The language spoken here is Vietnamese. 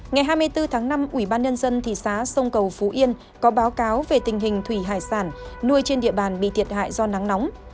ngày hai mươi bốn tháng năm ủy ban nhân dân thị xã sông cầu phú yên có báo cáo về tình hình thủy hải sản nuôi trên địa bàn bị thiệt hại do nắng nóng